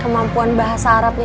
kemampuan bahasa arabnya